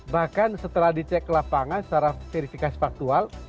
bahkan setelah dicek lapangan secara verifikasi faktual